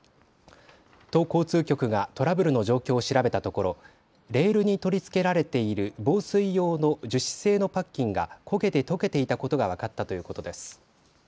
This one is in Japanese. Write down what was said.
都交通局がトラブルの状況を調べたところ、レールに取り付けられている防水用の樹脂製のパッキンが焦げて溶けていたことが分かったということです。